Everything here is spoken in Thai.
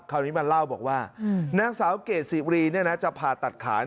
คราวนี้มาเล่าบอกว่านางสาวเกดสิวรีจะผ่าตัดขา